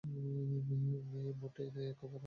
মোটেই না, একেবারেই না।